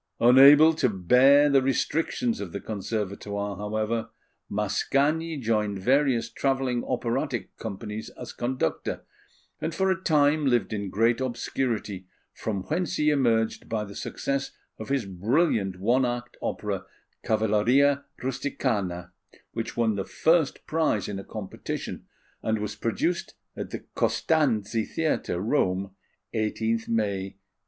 Unable to bear the restrictions of the Conservatoire, however, Mascagni joined various travelling operatic companies as conductor, and for a time lived in great obscurity, from whence he emerged by the success of his brilliant one act opera, Cavalleria Rusticana, which won the first prize in a competition, and was produced at the Costanzi Theatre, Rome, 18th May, 1890.